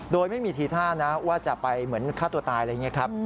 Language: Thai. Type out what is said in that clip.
โดยไม่มีทีท่านะว่าจะไปเหมือนฆ่าตัวตายอะไรอย่างนี้ครับ